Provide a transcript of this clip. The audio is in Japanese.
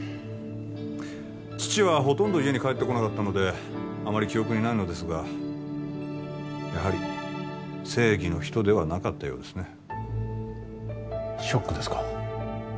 父はほとんど家に帰ってこなかったのであまり記憶にないのですがやはり正義の人ではなかったようですねショックですか？